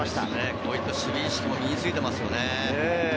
こういった守備意識も身についていますよね。